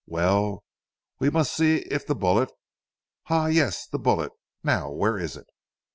"Well, we must see if the bullet Ha! yes, the bullet. Now where is it?"